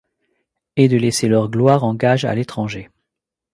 Et de laisser leur gloire en gage à l'étranger